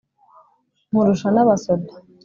nkurusha n'abasoda